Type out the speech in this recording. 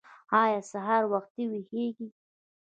ایا سهار وختي ویښیږئ؟